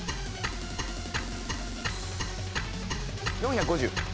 ４５０。